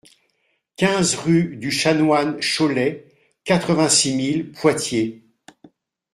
quinze rue du Chanoine Chollet, quatre-vingt-six mille Poitiers